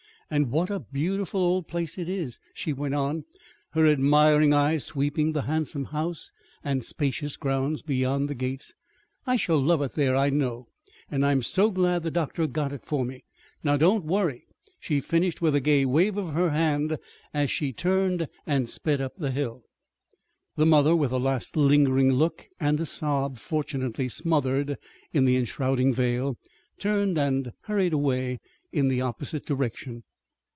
"And what a beautiful old place it is!" she went on, her admiring eyes sweeping the handsome house and spacious grounds beyond the gates. "I shall love it there, I know. And I'm so glad the doctor got it for me. Now, don't worry!" she finished with a gay wave of her hand as she turned and sped up the hill. The mother, with a last lingering look and a sob fortunately smothered in the enshrouding veil, turned and hurried away in the opposite direction.